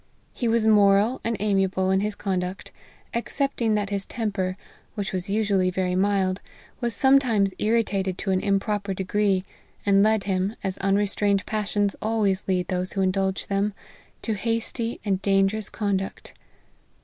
He was moral and amiable in his conduct, excepting that his temper, which was usually very mild, was sometimes irritated to an improper degree, and led him, as unrestrained passions always lead those who indulge them, to hasty and dangerous conduct.